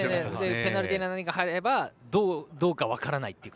ペナルティーエリアに入ればどうなるか分からないと。